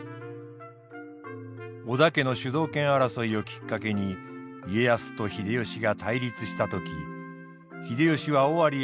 織田家の主導権争いをきっかけに家康と秀吉が対立した時秀吉は尾張へ攻め入るために